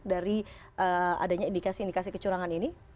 dari adanya indikasi indikasi kecurangan ini